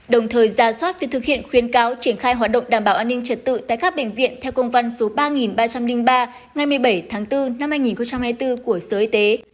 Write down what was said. đồng thời ra soát việc thực hiện khuyến cáo triển khai hoạt động đảm bảo an ninh trật tự tại các bệnh viện theo công văn số ba ba trăm linh ba ngày một mươi bảy tháng bốn năm hai nghìn hai mươi bốn của sở y tế